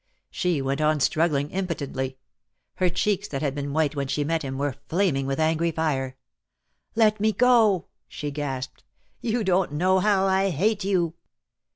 She went on struggling impotently. Her cheeks, that had been white when she met him, were flam ing with angry fire. "Let me go," she gasped. "You don't know how I hate you."